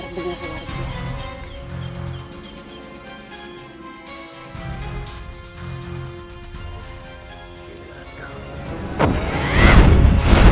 mengapa ilmu kanuragannya sangat tinggi